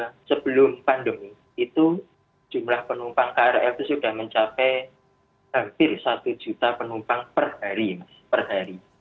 dan sebelum pandemi itu jumlah penumpang krl itu sudah mencapai hampir satu juta penumpang per hari